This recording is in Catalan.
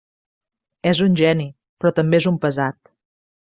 És un geni, però també és un pesat.